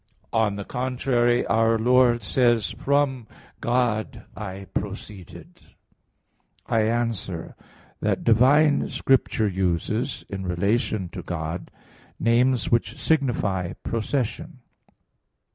On the contrary, Our Lord says, "From God I proceeded" (John 8:42). I answer that, Divine Scripture uses, in relation to God, names which signify procession.